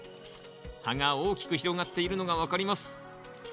葉が大きく広がっているのが分かります。